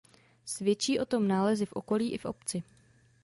Svědčí o tom nálezy v okolí i v obci.